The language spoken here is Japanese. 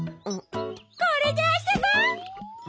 これであそぼう！